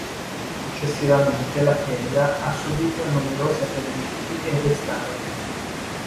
Successivamente la chiesa ha subito numerosi abbellimenti e restauri.